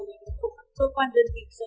về tổ chức đón thách người đàn quỷ mão